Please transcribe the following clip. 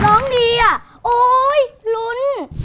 ร้องดีอ่ะโอ๊ยลุ้น